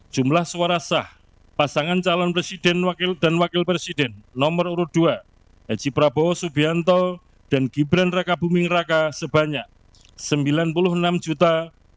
jumlah suara sah pasangan calon presiden dan wakil presiden nomor urut dua haji prabowo subianto dan gibran raka buming raka sebanyak sembilan puluh enam juta